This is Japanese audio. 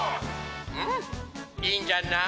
「うんいいんじゃない？」。